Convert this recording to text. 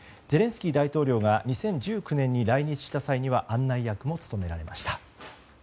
ゼレンスキー大統領が２０１９年に来日した際には案内役も務められました。